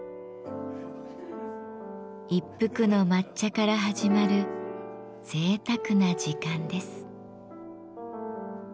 一服の抹茶から始まるぜいたくな時間です。